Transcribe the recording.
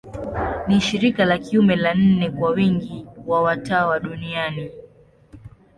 Ni shirika la kiume la nne kwa wingi wa watawa duniani.